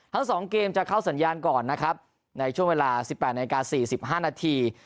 ทั้ง๒เกมจะเข้าสัญญาณก่อนนะครับในช่วงเวลา๑๘นาฬิกา๔๕นาที